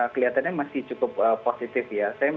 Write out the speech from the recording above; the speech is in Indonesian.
kelihatannya masih cukup positif ya